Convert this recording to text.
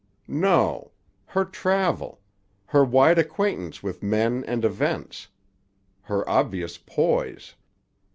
"No. Her travel. Her wide acquaintance with men and events. Her obvious poise."